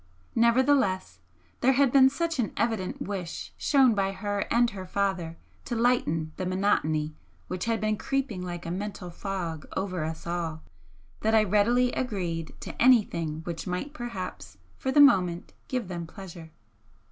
Nevertheless, there had been such an evident wish shown by her and her father to lighten the monotony which had been creeping like a mental fog over us all that I readily agreed to anything which might perhaps for the moment give them pleasure.